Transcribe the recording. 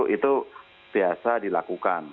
itu biasa dilakukan